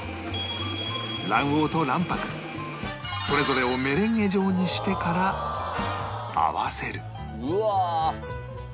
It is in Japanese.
卵黄と卵白それぞれをメレンゲ状にしてから合わせるうわ！